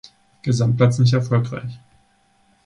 Gesamtplatz nicht erfolgreich.